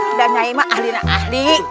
dan berangkat dengan ahli ahli